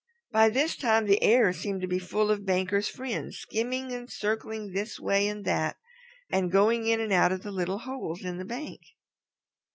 By this time the air seemed to be full of Banker's friends, skimming and circling this way and that, and going in and out of the little holes in the bank.